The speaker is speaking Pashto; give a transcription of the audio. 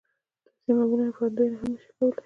تاسې يې معمولاً وړاندوينه هم نه شئ کولای.